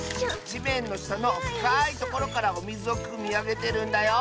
じめんのしたのふかいところからおみずをくみあげてるんだよ。